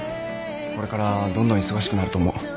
これからどんどん忙しくなると思う。